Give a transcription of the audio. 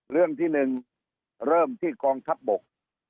เรื่องที่๑เริ่มที่กองทัพบก